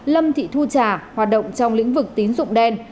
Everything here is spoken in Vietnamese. lâm thị thu trà hoạt động trong lĩnh vực tín dụng đen